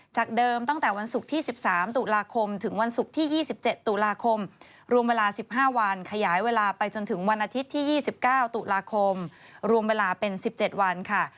จากเดิมตั้งแต่วันศุกร์ที่๑๓ตุลาคมถึงวันศุกร์ที่๒๗ตุลาคมรวมเวลา๑๕วันขยายเวลาไปจนถึงวันอาทิตย์ที่๒๙ตุลาคมรวมเวลาเป็น๑๗วันค่ะ